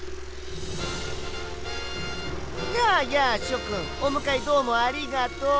やあやあしょくんおむかえどうもありがとう！